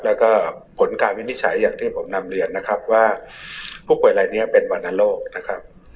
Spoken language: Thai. แล้วก็ผลการวินิจฉัยอย่างที่ผมนำเรียนนะครับว่าผู้ป่วยรายนี้เป็นวรรณโรคนะครับ